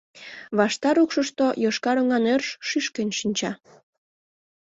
Ваштар укшышто йошкар оҥан ӧрш шӱшкен шинча.